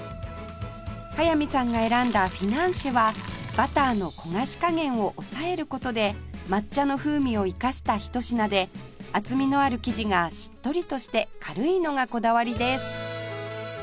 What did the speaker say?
速水さんが選んだフィナンシェはバターの焦がし加減を抑える事で抹茶の風味を生かした一品で厚みのある生地がしっとりとして軽いのがこだわりです